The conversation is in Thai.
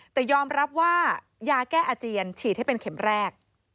แต่ยอมรับว่ายาแก้อาเจียนฉีดให้เป็นเข็มแรก